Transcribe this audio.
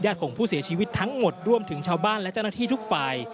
ของผู้เสียชีวิตทั้งหมดรวมถึงชาวบ้านและเจ้าหน้าที่ทุกฝ่าย